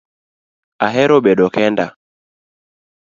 Ahero bedo kenda